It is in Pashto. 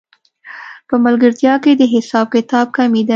په ملګرتیا کې د حساب کتاب کمی دی